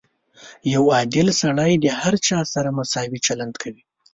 • یو عادل سړی د هر چا سره مساوي چلند کوي.